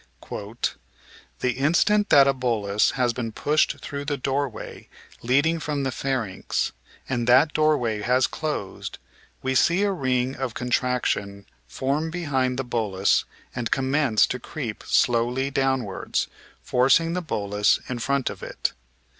"The instant that a bolus has been pushed through the doorway leading from the pharynx, and that doorway has closed, we see a ring of con traction form behind the bolus and commence to creep slowly downwards, forcing the bolus in front of it.